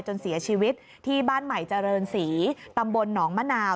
จนเสียชีวิตที่บ้านใหม่เจริญศรีตำบลหนองมะนาว